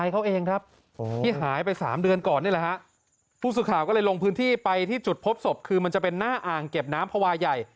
ก็เลยลงพื้นที่ไปที่จุดพบศพคือมันจะเป็นหน้าอ่างเก็บน้ำภาวะใหญ่